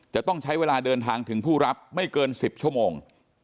จะต้องใช้เวลาเดินทางถึงผู้รับไม่เกิน๑๐ชั่วโมง